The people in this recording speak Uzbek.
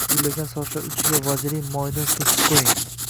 Gullagan sochlar uchiga vazelin moyidan surtib qo’ying